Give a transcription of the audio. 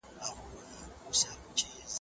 تاسو په خپلو کې یو بل ته درناوی ولرئ.